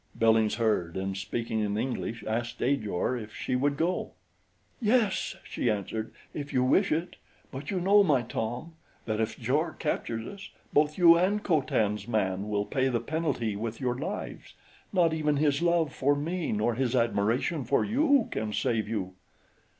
Billings heard and speaking in English, asked Ajor if she would go. "Yes," she answered, "If you wish it; but you know, my Tom, that if Jor captures us, both you and Co Tan's man will pay the penalty with your lives not even his love for me nor his admiration for you can save you."